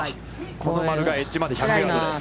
この丸がエッジ１５０ヤードです。